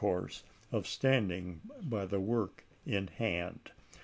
321 course of standing by the work in hand.